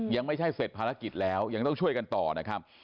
ยังไม่ใช่เสร็จภารกิจแล้วยังต้องช่วยกันต่อนะครับ